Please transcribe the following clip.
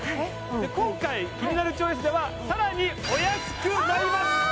今回キニナルチョイスではさらにお安くなります！